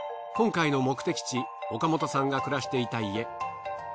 今回の目的地岡本さんが暮らしていた家。